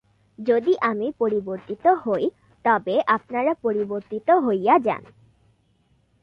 যদি আমি পরিবর্তিত হই, তবে আপনারা পরিবর্তিত হইয়া যান।